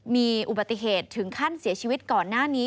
มีอุบัติเหตุถึงขั้นเสียชีวิตก่อนหน้านี้